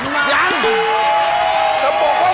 มาจากดาวองคาร